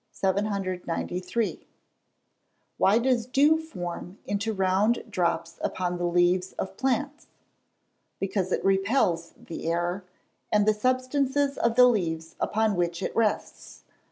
793. Why does dew form into round drops upon the leaves of plants? Because it repels the air, and the substances of the leaves upon which it rests.